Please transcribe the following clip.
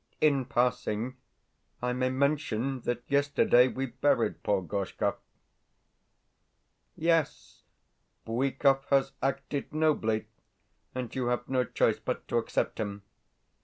In passing, I may mention that yesterday we buried poor Gorshkov.... Yes, Bwikov has acted nobly, and you have no choice but to accept him.